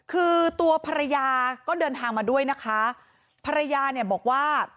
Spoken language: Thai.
คือตัวภรรยาก็เดินทางมาด้วยนะคะภรรยาเนี่ยบอกว่า